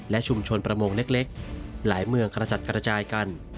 และชุมชนประมงเล็กหลายเมืองกระจัดกระจายกัน